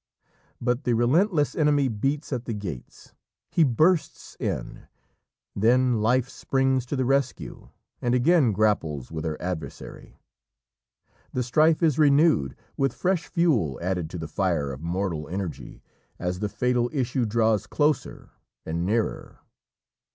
But the relentless enemy beats at the gates; he bursts in; then Life springs to the rescue, and again grapples with her adversary. The strife is renewed with fresh fuel added to the fire of mortal energy as the fatal issue draws closer and nearer.